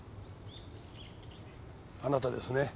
あなたですね。